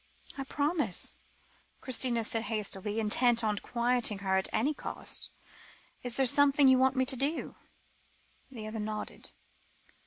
"I promise," Christina said hastily, intent only on quieting her at any cost; "is there something you want me to do?" The other nodded.